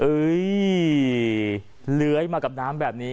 เอ่ยเหลือยมากับน้ำแบบนี้